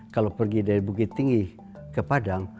kalau pergi dari bukit tinggi ke padang